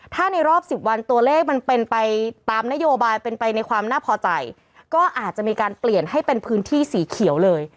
ถ้าในรอบ๑๐วันตัวเลขมันเป็นไปตามนโยบายเป็นไปในความน่าพอใจก็อาจจะมีการเปลี่ยนให้เป็นพื้นที่สีเขียวเลย